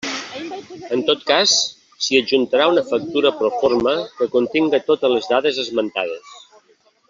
En tot cas, s'hi adjuntarà una factura proforma que continga totes les dades esmentades.